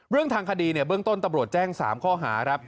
เรื่องทางคดีเนี่ยเบื้องต้นตำรวจแจ้ง๓ข้อหาครับ